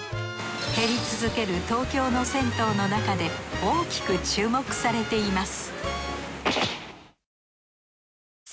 減り続ける東京の銭湯の中で大きく注目されています